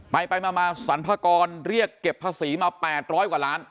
ไปมาสรรพากรเรียกเก็บภาษีมา๘๐๐กว่าล้าน